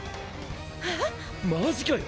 ええっ⁉マジかよ！